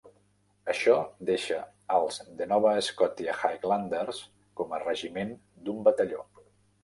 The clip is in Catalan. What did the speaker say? Això deixa els The Nova Scotia Highlanders com a regiment d'un batalló.